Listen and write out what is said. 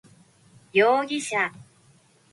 容疑者